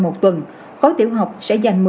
một tuần khối tiểu học sẽ dành